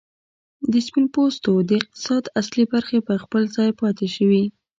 د سپین پوستو د اقتصاد اصلي برخې پر خپل ځای پاتې شوې.